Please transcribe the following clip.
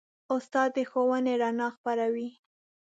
استاد د ښوونې رڼا خپروي.